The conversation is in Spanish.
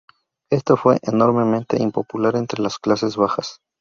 Esto fue enormemente impopular entre las clases bajas.